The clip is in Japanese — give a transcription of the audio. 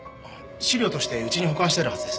資料としてうちに保管してあるはずです。